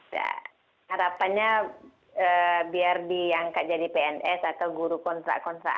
ya harapannya biar diangkat jadi pns atau guru kontrak kontrak